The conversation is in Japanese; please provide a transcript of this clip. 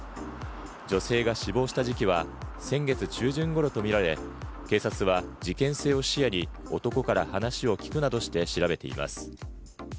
女性が死亡した時期は先月中旬ごろとみられ、警察は事件性を視野に、男から話を聞くなどして調べています。